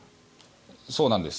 そうなんです。